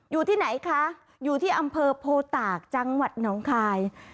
อยู่ที่ไหนคะอยู่ที่อำเภอโพตากจังหวัดหนองคาย